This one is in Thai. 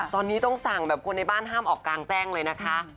ตอนนี้ต้องสั่งแบบคนในบ้านห้ามออกกลางแจ้งเลยนะคะ